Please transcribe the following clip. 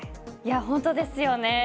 本当ですよね。